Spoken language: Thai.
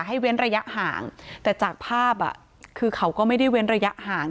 เว้นระยะห่างแต่จากภาพอ่ะคือเขาก็ไม่ได้เว้นระยะห่าง